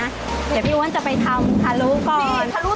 เดี๋ยวพี่อ้วนจะไปทำทะลุก่อน